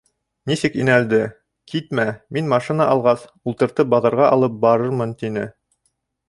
Нисек инәлде: китмә, мин машина алғас, ултыртып баҙарға алып барырмын, тине.